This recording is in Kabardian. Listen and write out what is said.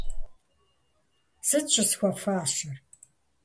- Сыт щӏысхуэфащэр?